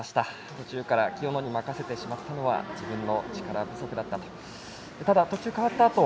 途中から清野に任せてしまったのは自分の力不足だったと。